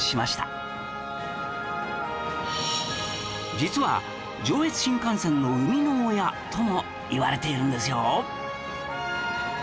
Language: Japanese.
実は上越新幹線の生みの親ともいわれているんですよ